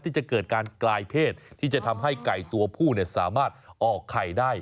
ที่จะเกิดการกลายเพศที่จะทำให้ไก่ตัวผู้สามารถออกไข่ได้